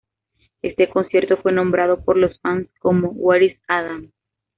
Este concierto fue nombrado por los fans como "Where is Adam?